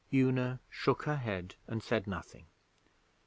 Una shook her head and said nothing.